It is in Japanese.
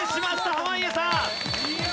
濱家さん。